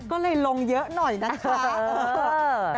ก็เลยลงเยอะหน่อยนะคะ